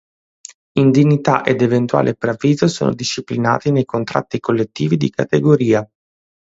Indennità ed eventuale preavviso sono disciplinati nei Contratti Collettivi di categoria.